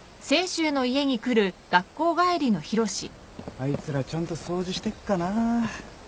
あいつらちゃんと掃除してっかな。